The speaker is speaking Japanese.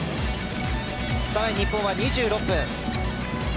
更に日本は２６分。